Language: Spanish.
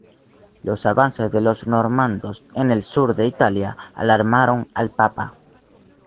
Los avances de los normandos en el sur de Italia alarmaron al papa.